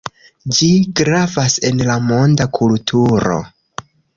Ĝi gravas en la monda kulturo.